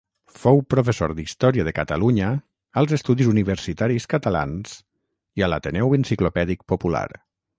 Fou professor d'història de Catalunya als Estudis Universitaris Catalans i a l'Ateneu Enciclopèdic Popular.